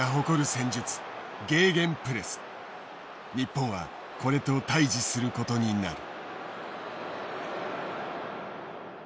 日本はこれと対じすることになる。